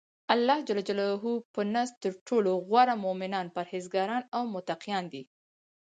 الله ج په نزد ترټولو غوره مؤمنان پرهیزګاران او متقیان دی.